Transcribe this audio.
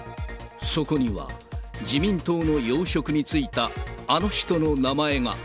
そこには自民党の要職に就いたあの人の名前が。